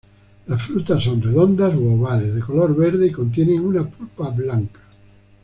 Las frutas son redondas u ovales, de color verde y contienen una pulpa blanca.